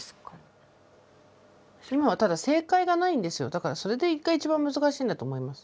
だからそれが一番難しいんだと思います。